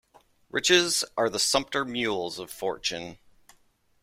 Riches are the sumpter mules of fortune.